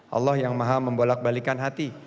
allah yang maha membolak balikan hati